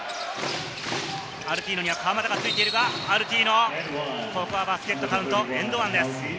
アルティーノには川真田が付いているが、アルティーノ、ここはバスケットカウント、エンド１です。